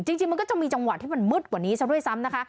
จริงมันก็จะมีจังหวะที่มันมืดกว่านี้ซะด้วยซ้ำนะคะ